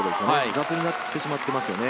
雑になってしまっていますよね。